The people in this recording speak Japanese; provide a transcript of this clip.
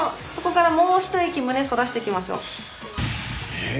えっ？